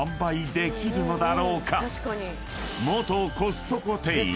［元コストコ店員